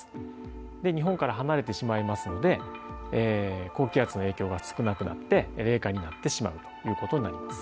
日本から離れてしまいますので高気圧の影響が少なくなって冷夏になってしまうということになります。